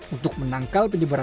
untuk menangkal penyebaran